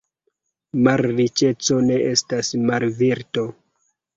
Malriĉeco ne estas malvirto.